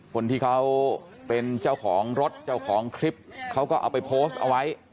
คนที่เขาเป็นเจ้าของรถเจ้าของคลิปเขาก็เอาไปโพสต์เอาไว้